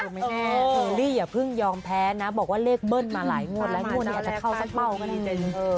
อืมนี่อย่าพึ่งยอมแพ้นะบอกว่าเลขเบิ้ลมาหลายงวดแล้วงวดนี้อาจจะเข้าสักเมื่อกี้